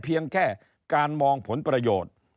เพียงแค่การมองผลประโยชน์